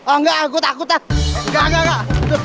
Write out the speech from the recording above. engga gue takut ah engga engga engga